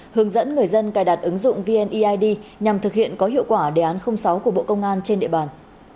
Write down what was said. hướng dẫn người dân cài đặt ứng dụng vneid nhằm thực hiện có hiệu quả đề án sáu của bộ công an trên địa bàn